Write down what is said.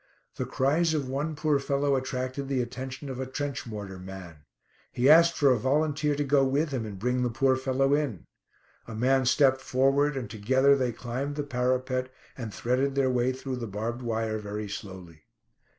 The cries of one poor fellow attracted the attention of a trench mortar man. He asked for a volunteer to go with him, and bring the poor fellow in. A man stepped forward, and together they climbed the parapet, and threaded their way through the barbed wire very slowly.